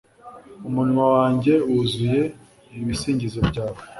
umunwa wanjye wuzuye ibisingizo byawe